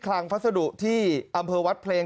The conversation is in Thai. ลังพัสดุที่อำเภอวัดเพลง